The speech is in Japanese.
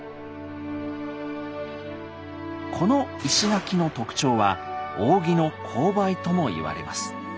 この石垣の特徴は「扇の勾配」とも言われます。